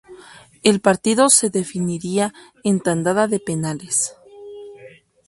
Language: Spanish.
El partido se definiría en tanda de penales.